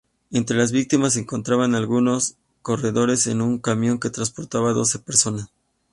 Entre las víctimas se encontraban algunos corredores en un camión que transportaba doce personas.